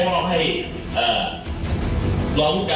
มันก็มีคลิปที่ซึ้ง